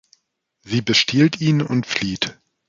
Sie bestiehlt ihn und flieht.